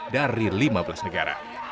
dari lima belas negara